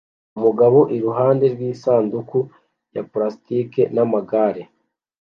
Umugabo iruhande rw'isanduku ya plastike n'amagare